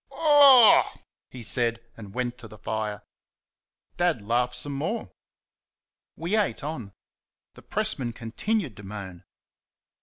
"OH H!" he said, and went to the fire. Dad laughed some more. We ate on. The pressman continued to moan.